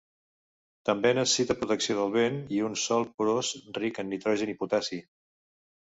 També necessita protecció del vent i un sòl porós ric en nitrogen i potassi.